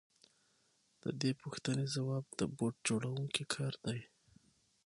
د دې پوښتنې ځواب د بوټ جوړونکي کار دی